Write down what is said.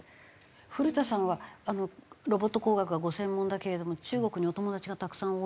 古田さんはロボット工学がご専門だけれども中国にお友達がたくさん多い？